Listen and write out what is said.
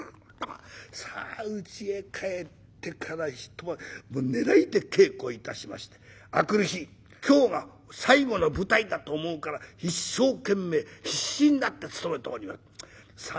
さあうちへ帰ってから一晩寝ないで稽古致しまして明くる日今日が最後の舞台だと思うから一生懸命必死になって務めております。